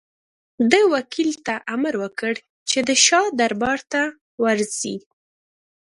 ده وکیل ته امر وکړ چې د شاه دربار ته ورسي.